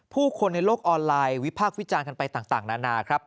ผู้คนในโลกออนไลน์วิพากษ์วิจารณ์กันไปต่างนานาครับ